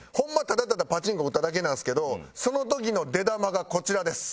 ただただパチンコ打っただけなんですけどその時の出玉がこちらです。